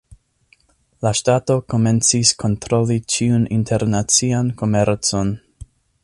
La ŝtato komencis kontroli ĉiun internacian komercon.